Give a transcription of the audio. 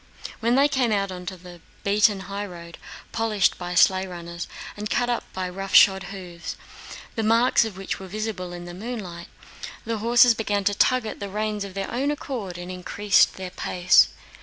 When they came out onto the beaten highroad—polished by sleigh runners and cut up by rough shod hoofs, the marks of which were visible in the moonlight—the horses began to tug at the reins of their own accord and increased their pace.